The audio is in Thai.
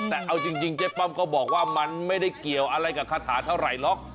แต่เอาจริงเจ๊ป้อมก็บอกว่ามันไม่ได้เกี่ยวอะไรกับคาถาเท่าไหร่หรอก